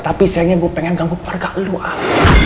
tapi sayangnya gue pengen ganggu keluarga lu al